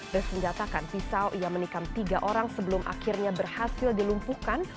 bersenjatakan pisau ia menikam tiga orang sebelum akhirnya berhasil dilumpuhkan